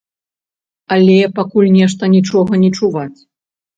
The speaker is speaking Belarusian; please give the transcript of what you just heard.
Але пакуль нешта нічога не чуваць.